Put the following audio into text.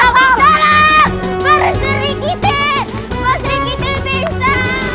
pak sri kiti bisa